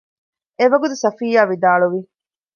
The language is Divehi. އެވަގުތު ޞަފިއްޔާ ވިދާޅުވި